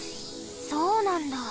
そうなんだ。